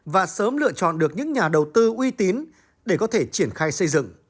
và sớm lựa chọn được những nhà đầu tư uy tín để có thể triển khai xây dựng